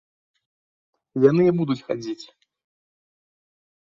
Яны і будуць хадзіць.